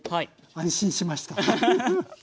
安心しました。